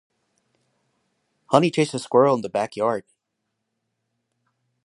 Honey chased a squirrel in the backyard.